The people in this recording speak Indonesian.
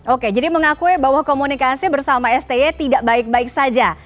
oke jadi mengakui bahwa komunikasi bersama sti tidak baik baik saja